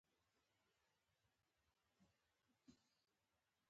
څلورم مطلب : د اسلام د سیاسی نظام تعریف